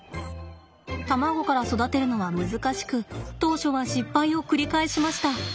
卵から育てるのは難しく当初は失敗を繰り返しました。